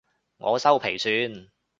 我修皮算